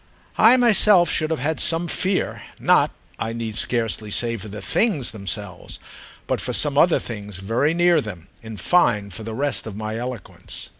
I myself should have had some fear—not, I need scarcely say, for the "things" themselves, but for some other things very near them; in fine for the rest of my eloquence.